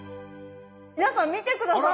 皆さん見て下さい！